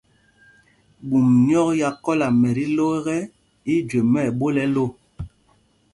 Ɓum nyɔk ya kɔla mɛ tí ló ekɛ, í í jüe mɛ́ ɛɓol ɛ lō.